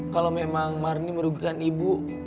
kalau memang marni merugikan ibu